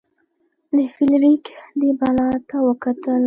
فلیریک دې بلا ته وکتل.